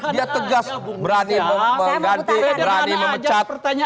dia tegas berani mengganti berani memecat